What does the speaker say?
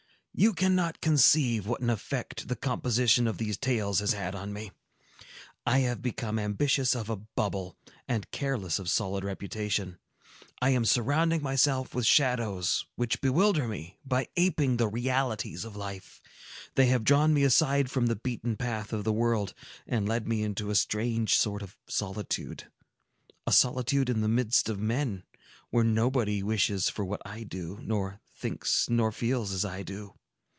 "You cannot conceive what an effect the composition of these tales has had on me. I have become ambitious of a bubble, and careless of solid reputation. I am surrounding myself with shadows, which bewilder me, by aping the realities of life. They have drawn me aside from the beaten path of the world, and led me into a strange sort of solitude,—a solitude in the midst of men, where nobody wishes for what I do, nor thinks nor feels as I do.